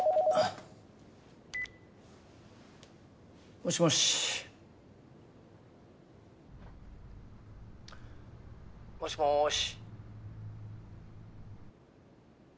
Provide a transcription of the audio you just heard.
もしもし？もしもし？